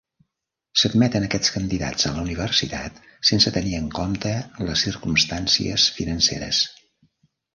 S'admeten aquests candidats a la universitat sense tenir en comte les circumstancies financeres.